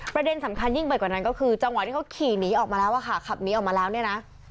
ประเด็นสำคัญยิ่งไปกว่านั้นก็คือจังหวะที่เขาขี่หนีออกมาแล้วอะค่ะขับหนีออกมาแล้วเนี่ยนะ